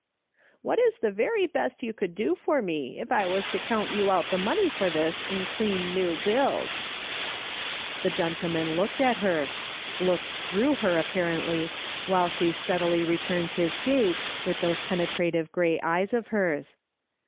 " What is the very best you could do for me if I was to count you out the money for this in clean new bills ?" The gentleman loolced at her, looked through her, apparently, while she steadily returned his gaze with those penetrative grey eyes of hers.